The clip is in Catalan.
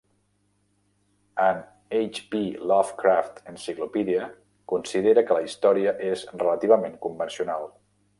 "An H. P. Lovecraft Encyclopedia" considera que la història és "relativament convencional".